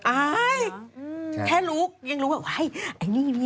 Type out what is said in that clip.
อายแค่รู้ยังรู้ว่าไอ้นี่